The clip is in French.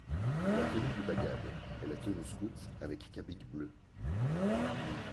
La tenue du bagad est la tenue scoute avec kabig bleu.